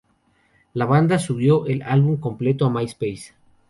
La banda subió el álbum completo a su MySpace.